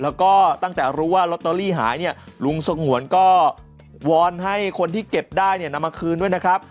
แล้วก็ตั้งแต่รู้ว่าลอตเตอรี่หายเนี่ยลุงสงวนก็วอนให้คนที่เก็บได้เนี่ยนำมาคืนด้วยนะครับ